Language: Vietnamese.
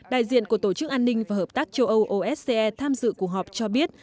đại diện của tổ chức an ninh và hợp tác châu âu ose tham dự cuộc họp cho biết